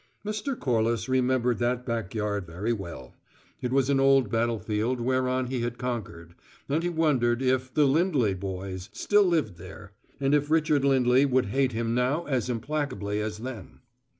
Mr. Corliss remembered that backyard very well: it was an old battlefield whereon he had conquered; and he wondered if "the Lindley boys" still lived there, and if Richard Lindley would hate him now as implacably as then.